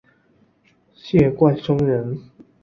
谢冠生人。